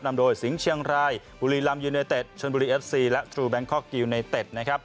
นำโดยสิงห์เชียงรายบุรีลำยูเนเต็ดชนบุรีเอฟซีและทรูแบงคอกกิลไนเต็ดนะครับ